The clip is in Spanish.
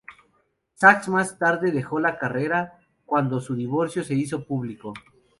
Sax más tarde dejó la carrera, cuando su divorcio se hizo público.